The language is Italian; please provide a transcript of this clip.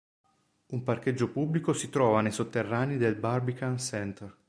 Un parcheggio pubblico si trova nei sotterranei del Barbican Centre.